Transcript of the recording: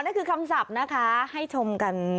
นี่คือคำศัพท์นะคะให้ชมกัน